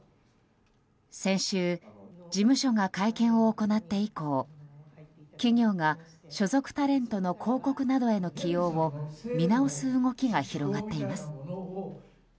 先週、事務所が会見を行って以降企業が所属タレントの広告などへの起用を見直す動きが広がっています。